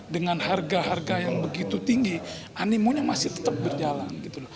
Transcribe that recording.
dengan harga harga yang begitu tinggi animonya masih tetap berjalan